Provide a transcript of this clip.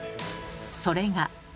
それが。